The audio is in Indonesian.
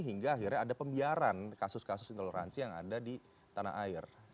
hingga akhirnya ada pembiaran kasus kasus intoleransi yang ada di tanah air